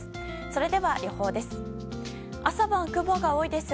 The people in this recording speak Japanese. それでは予報です。